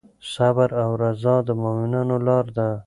صبر او رضا د مؤمنانو لاره ده.